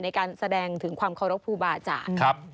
ในการแสดงถึงความเคารพภูบาจาก